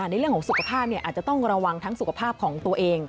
ในเรื่องของสุขภาพอาจจะต้องระวังทั้งสุขภาพของตัวเอง